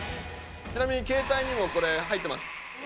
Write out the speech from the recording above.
ちなみに携帯にもこれ入ってます。